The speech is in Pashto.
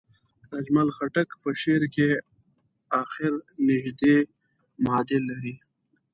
د اجمل خټک په شعر کې اخر نژدې معادل لري.